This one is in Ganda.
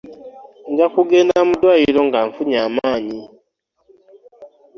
Nja kugenda mu ddwaliro nga nfunye amaanyi.